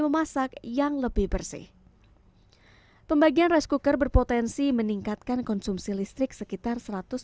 memasak yang lebih bersih pembagian rice cooker berpotensi meningkatkan konsumsi listrik sekitar